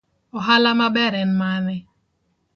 Ohala maber en mane.